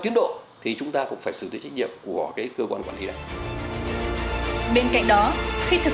tiến độ thì chúng ta cũng phải xử lý trách nhiệm của cái cơ quan quản lý này bên cạnh đó khi thực